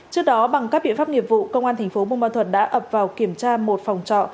trước đó bằng các biện pháp nghiệp vụ công an thành phố buôn ma thuật đã ập vào kiểm tra một phòng trọ